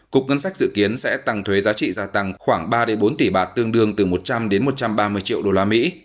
cục ngân sách dự kiến sẽ tăng thuế giá trị gia tăng khoảng ba bốn tỷ bạt tương đương từ một trăm linh đến một trăm ba mươi triệu đô la mỹ